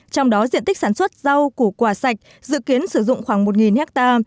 trong đó diện tích sản xuất rau củ quả sạch dự kiến sử dụng khoảng một ha